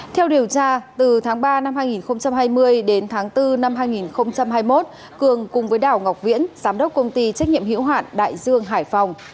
theo điều tra từ tháng ba năm hai nghìn hai mươi đến tháng bốn năm hai nghìn hai mươi một cường cùng với đảo ngọc viễn giám đốc công ty trách nhiệm hiểu hạn đại dương hải phòng